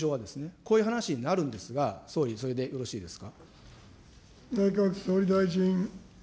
こういう話になるんですが、総理、それでよろしいですか。